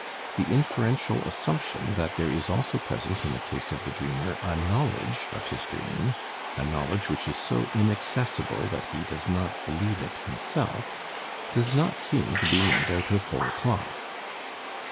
The inferential assumption that there is also present in the case of the dreamer a knowledge of his dream, a knowledge which is so inaccessible that he does not believe it himself, does not seem to be made out of whole cloth.